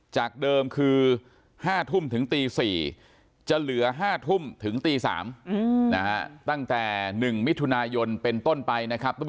จากเดิมคือ๕ทุ่มถึงตี๔จะเหลือ๕ทุ่มถึงตี๓ตั้งแต่๑มิถุนายนเป็นต้นไปนะครับ